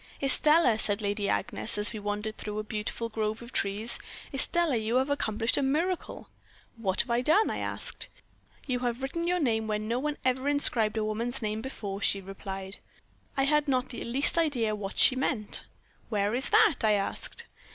"'Estelle,' said Lady Agnes, as we wandered through a beautiful grove of trees 'Estelle, you have accomplished a miracle.' "'What have I done?' I asked. "'You have written your name where no one ever inscribed a woman's name before,' she replied. "I had not the least idea what she meant. "'Where is that?' I asked.